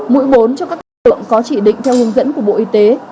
mũi bốn cho các phường có trị định theo hướng dẫn của bộ y tế